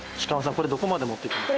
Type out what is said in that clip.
これどこまで持っていくんですか？